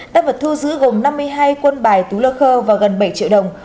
tăng vật thu giữ gồm năm mươi hai quân bài tú lơ khơ và gần bảy triệu đồng